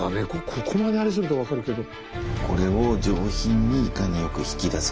ここまであれするとわかるけど。